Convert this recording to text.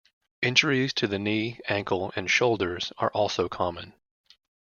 Injuries to the knee, ankle and shoulders are also common.